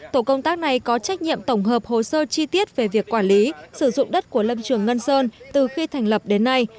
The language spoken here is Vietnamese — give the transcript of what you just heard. tổ công tác này có trách nhiệm tổng hợp hồ sơ chi tiết về việc quản lý sử dụng đất của lâm trường ngân sơn từ khi thành lập đến nay